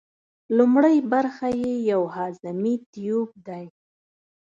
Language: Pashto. لومړۍ برخه یې یو هضمي تیوپ دی.